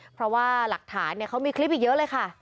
เพราะว่าหลักฐานเขามีคลิปอีกเยอะเลยค่ะ